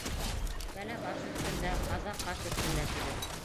Бәлә баш өҫтөндә, ҡаза ҡаш өҫтөндә, тибеҙ.